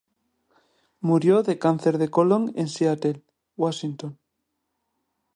Murió de cáncer de colon en Seattle, Washington.